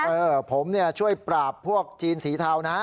เออผมช่วยปราบพวกจีนสีเทานะ